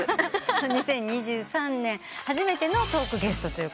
２０２３年初めてのトークゲストと。